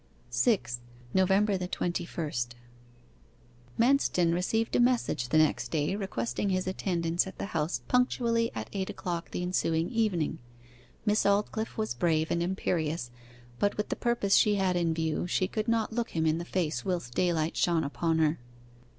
6. NOVEMBER THE TWENTY FIRST Manston received a message the next day requesting his attendance at the House punctually at eight o'clock the ensuing evening. Miss Aldclyffe was brave and imperious, but with the purpose she had in view she could not look him in the face whilst daylight shone upon her.